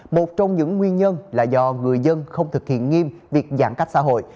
một trong những nguyên nhân là do người dân không thực hiện nghiêm việc giãn cách xã hội